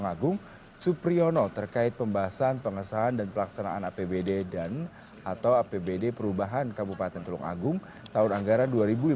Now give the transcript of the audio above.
pengagung supriyono terkait pembahasan pengesahan dan pelaksanaan apbd dan atau apbd perubahan kabupaten tulungagung tahun anggaran dua ribu lima belas dua ribu delapan belas